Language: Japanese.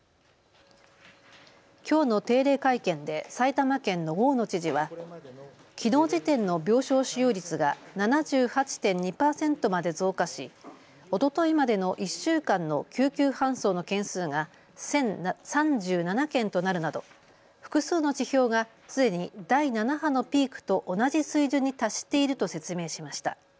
きょうの定例会見で埼玉県の大野知事はきのう時点の病床使用率が７８．２％まで増加し、おとといまでの１週間の救急搬送の件数が１０３７件となるなど複数の指標がすでに第７波のピークと同じ水準に達していると説明しました。